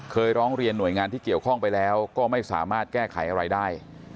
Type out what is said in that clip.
ร้องเรียนหน่วยงานที่เกี่ยวข้องไปแล้วก็ไม่สามารถแก้ไขอะไรได้